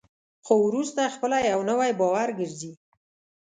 خو وروسته خپله یو نوی باور ګرځي.